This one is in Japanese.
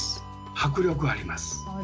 迫力あります。